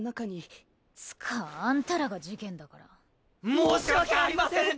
申し訳ありません！